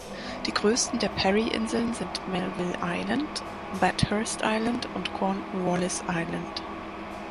Die größten der Parry-Inseln sind Melville Island, Bathurst Island und Cornwallis Island.